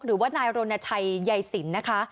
หรือว่านายรณชัยใยสินนะคะ